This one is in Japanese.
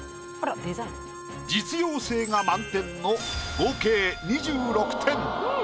実用性が満点の合計２６点。